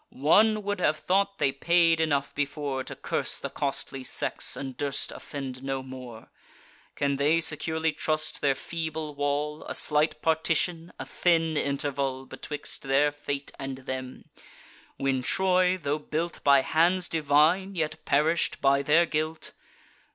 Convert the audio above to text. One would have thought they paid enough before, To curse the costly sex, and durst offend no more. Can they securely trust their feeble wall, A slight partition, a thin interval, Betwixt their fate and them; when Troy, tho' built By hands divine, yet perish'd by their guilt?